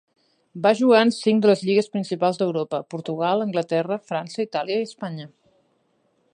Va jugar en cinc de les lligues principals d'Europa: Portugal, Anglaterra, França, Itàlia i Espanya.